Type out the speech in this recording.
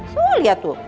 tuh lihat tuh